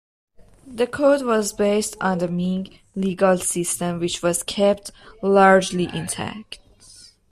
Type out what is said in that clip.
The code was based on the Ming legal system, which was kept largely intact.